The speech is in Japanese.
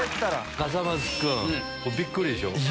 笠松君びっくりでしょ。